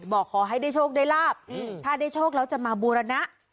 บอกขอให้ได้โชคได้ลาบถ้าได้โชคแล้วจะมาบูรณะ